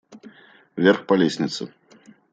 Вверх по лестнице.